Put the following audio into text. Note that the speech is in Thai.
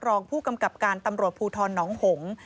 รองผู้กำกับการตำรวจภูทรน้องหงษ์